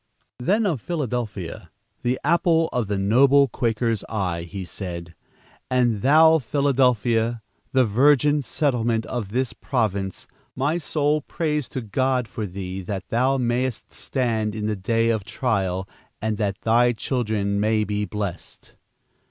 Then of Philadelphia, the apple of the noble Quaker's eye, he said, "And thou, Philadelphia, the virgin settlement of this province, my soul prays to God for thee, that thou mayest stand in the day of trial, and that thy children may be blessed."